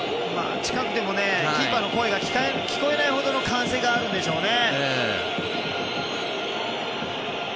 近くでもキーパーの声が聞こえないほどの歓声があるんでしょうね。